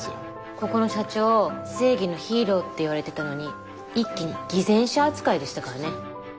ここの社長正義のヒーローって言われてたのに一気に偽善者扱いでしたからね。